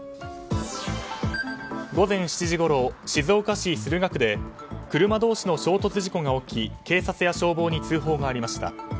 午前７時ごろ、静岡市駿河区で車同士の衝突事故が起き警察や消防に通報がありました。